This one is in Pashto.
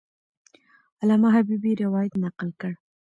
علامه حبیبي روایت نقل کړ.